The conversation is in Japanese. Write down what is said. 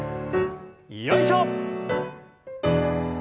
よいしょ！